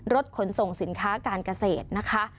รถขนส่งสินค้าการเกษตรนะคะ